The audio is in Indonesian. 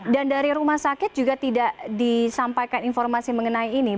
dan dari rumah sakit juga tidak disampaikan informasi mengenai ini